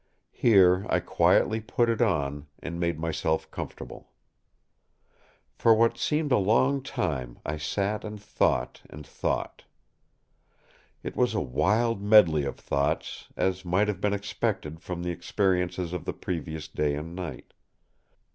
Here I quietly put it on, and made myself comfortable. For what seemed a long time, I sat and thought and thought. It was a wild medley of thoughts, as might have been expected from the experiences of the previous day and night.